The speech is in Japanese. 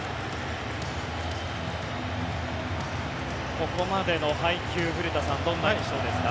ここまでの配球古田さん、どんな印象ですか？